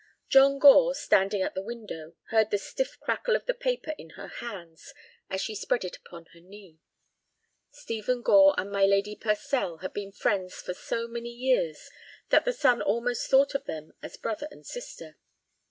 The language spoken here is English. John Gore, standing at the window, heard the stiff crackle of the paper in her hands as she spread it upon her knee. Stephen Gore and my Lady Purcell had been friends for so many years that the son almost thought of them as brother and sister.